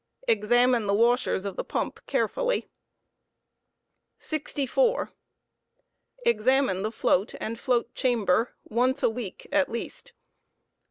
Examine the washers of the pump carefully. Bx*min© fl$t^ 64. Examine the float and float chamber once a week at least.